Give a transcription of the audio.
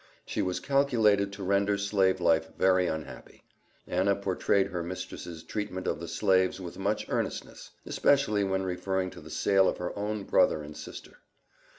She was calculated to render slave life very unhappy. Anna portrayed her mistress's treatment of the slaves with much earnestness, especially when referring to the sale of her own brother and sister.